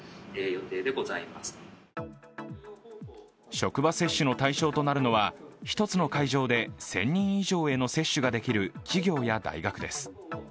職場接種の対象となるのは１つの会場で１０００人以上への接種ができる企業や大学です。